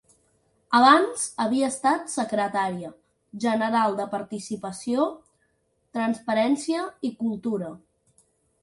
Abans havia estat secretària general de Participació, Transparència i Cultura.